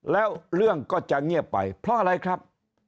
แล้วเรื่องก็จะเงียบไปเพราะอะไรครับ